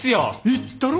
言ったろ？